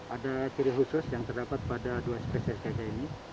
ada ciri khusus yang terdapat pada dua spesies tk ini